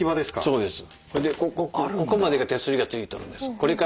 そうです。